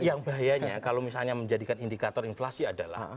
yang bahayanya kalau misalnya menjadikan indikator inflasi adalah